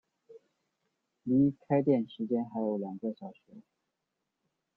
离开店时间还有两个小时